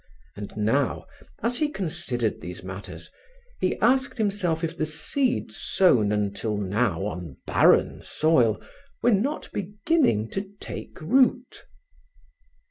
And now, as he considered these matters, he asked himself if the seeds sown until now on barren soil were not beginning to take root.